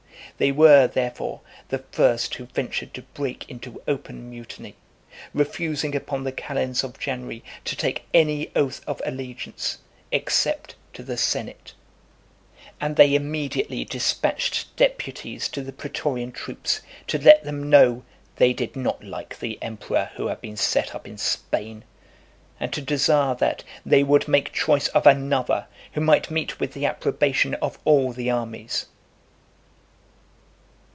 They were, therefore, the first who ventured to break into open mutiny, refusing upon the calends [the 1st] of January, to take any oath of allegiance, except to the senate; and they immediately dispatched deputies to the pretorian troops, to let them know, "they did not like the emperor who had been set up in Spain," and to desire that "they would make choice of another, who might meet with the approbation of all the armies."